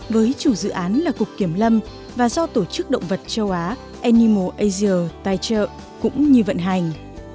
với chủ dự án là cục kiểm lâm và do tổ chức động vật châu á animal asia tài trợ cũng như vận hành